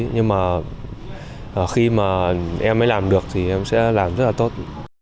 nhưng mà khi mà em mới làm được thì em sẽ làm rất là tốt